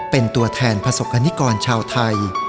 เป็นตัวแทนประสบกรณิกรชาวไทย